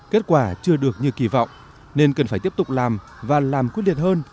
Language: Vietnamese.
kết quả chưa được như kỳ vọng nên cần phải tiếp tục làm và làm quyết liệt hơn